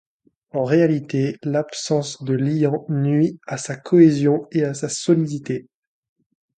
En réalité, l'absence de liant nuit à sa cohésion et à sa solidité.